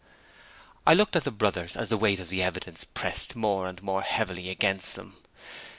I looked at the brothers as the weight of the evidence pressed more and more heavily against them.